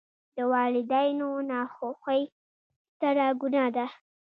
د والداینو ناخوښي ستره ګناه ده.